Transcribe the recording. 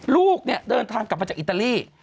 ลูกเนี่ยเดินทางกลับมาจากอิตาลี